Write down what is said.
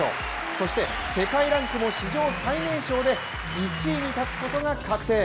そして世界ランクも史上最年少で１位に立つことが確定。